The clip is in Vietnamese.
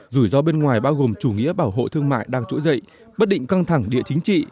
rủi ro bên ngoài bao gồm chủ nghĩa bảo hộ thương mại đang trỗi dậy bất định căng thẳng địa chính trị